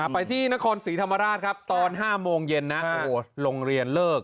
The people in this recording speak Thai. ไปที่นครศรีธรรมราชครับตอน๕โมงเย็นนะโรงเรียนเลิก